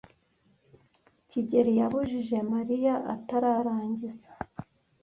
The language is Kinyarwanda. kigeli yabujije Mariya atararangiza.